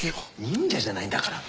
忍者じゃないんだから。